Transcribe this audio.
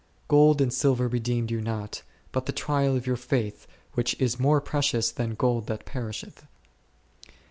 Gold and silver redeemed you not, but the trial of your faith, which is much more precious than gold that perisheth.